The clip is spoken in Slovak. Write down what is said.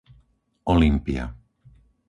Olympia